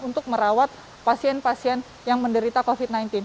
untuk merawat pasien pasien yang menderita covid sembilan belas